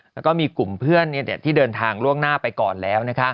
แล้วก็มีกลุ่มเพื่อนที่เดินทางล่วงหน้าไปก่อนแล้ว